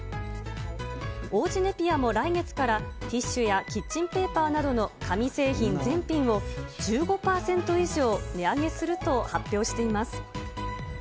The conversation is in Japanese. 王子ネピアも来月からティッシュやキッチンペーパーなどの紙製品全品を１５％以上値上げすると発表しています。